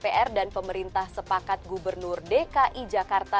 dpr dan pemerintah sepakat gubernur dki jakarta